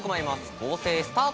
合成スタート。